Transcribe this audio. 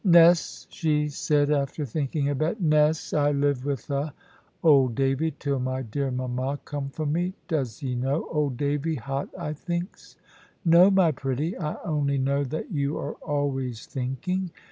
"Ness," she said, after thinking a bit. "Ness, I live with 'a, old Davy, till my dear mama come for me. Does 'e know, old Davy, 'hot I thinks?" "No, my pretty; I only know that you are always thinking."